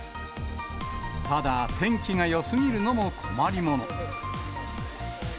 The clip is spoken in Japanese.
ただ、天気がよすぎるのも困りもの。